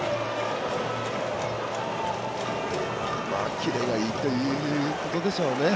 きれいなのがいいということでしょうね。